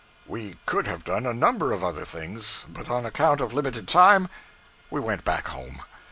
We could have done a number of other things; but on account of limited time, we went back home.